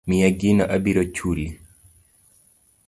Miya gino abiro chuli.